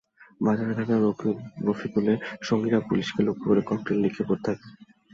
বাজারে থাকা রফিকুলের সঙ্গীরা পুলিশকে লক্ষ্য করে ককটেল নিক্ষেপ করতে থাকে।